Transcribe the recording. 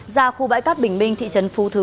ra khu bãi cát bình minh thị trấn phú thứ